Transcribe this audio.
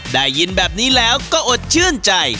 ได้ยินแบบนี้แล้วก็อดชื่นใจ